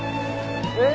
えっ？